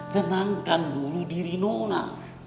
tenangkan dulu diri nona